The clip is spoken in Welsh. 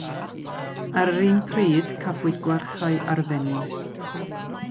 Ar yr un pryd, cafwyd gwarchae ar y Fenni.